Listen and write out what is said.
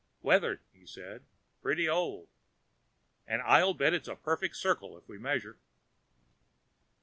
"Weathered," he said. "Plenty old. But I'll bet it's a perfect circle, if we measure."